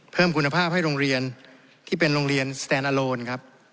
เพิ่มคุณภาพให้โรงเรียนที่เป็นโรงเรียนสแตนอาโลนครับ